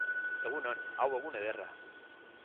Egun on, hau egun ederra!